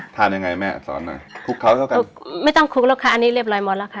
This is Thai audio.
ทานยังไงแม่สอนหน่อยคลุกเขาเท่ากันคลุกไม่ต้องคลุกแล้วค่ะอันนี้เรียบร้อยหมดแล้วค่ะ